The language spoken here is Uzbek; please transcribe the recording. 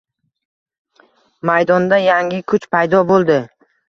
Maydonda yangi kuch paydo bo’ldi